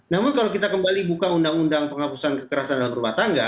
namun kalau kita kembali buka undang undang penghapusan kekerasan dalam rumah tangga